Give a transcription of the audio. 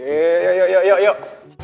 eh yuk yuk yuk yuk yuk